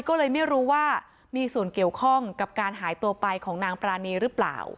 ก็เลยไม่รู้ว่ามีส่วนเกี่ยวข้องกับการหายตัวไปของนางปรานีหรือเปล่า